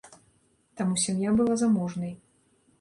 Таму сям'я была заможнай.